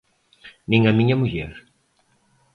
Nin a miña muller.